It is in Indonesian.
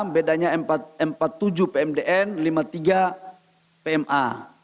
bedanya empat puluh tujuh pmdn lima puluh tiga pma